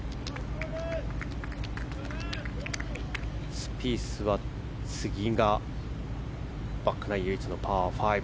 スピースは次がバックナイン唯一のパー５。